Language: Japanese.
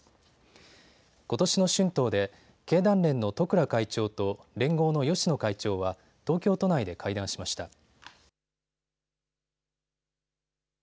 ことしの春闘で経団連の十倉会長と連合の芳野会長は東京都内で会談しました。